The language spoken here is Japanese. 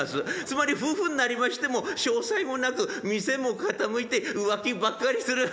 つまり夫婦になりましても商才もなく店も傾いて浮気ばっかりする。